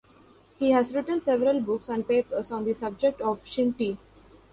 He has written several books and papers on the subject of shinty.